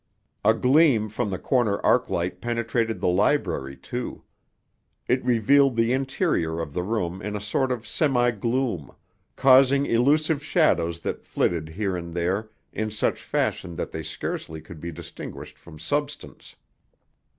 A gleam from the corner arc light penetrated the library, too. It revealed the interior of the room in a sort of semi gloom, causing elusive shadows that flitted here and there in such fashion that they scarcely could be distinguished from substance.